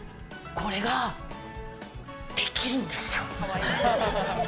これができるんですよ。